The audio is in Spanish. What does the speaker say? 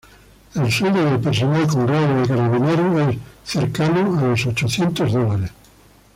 El sueldo del personal con grado de carabinero es cercano a los ochocientos dólares.